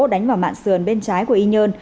đánh vào mạng sườn bên trái của y nhân